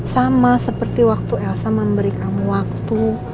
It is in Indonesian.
sama seperti waktu elsa memberi kamu waktu